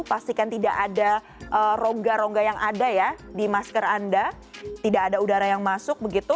pastikan tidak ada rongga rongga yang ada ya di masker anda tidak ada udara yang masuk begitu